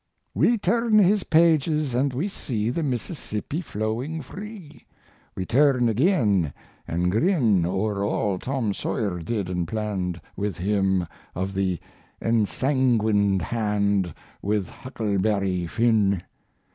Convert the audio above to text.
We turn his pages and we see The Mississippi flowing free; We turn again and grin O'er all Tom Sawyer did and planned With him of the ensanguined hand, With Huckleberry Finn!